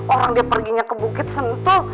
orang dia perginya ke bukit sentul